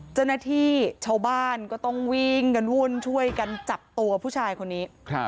เจ้าหน้าที่ชาวบ้านก็ต้องวิ่งกันวุ่นช่วยกันจับตัวผู้ชายคนนี้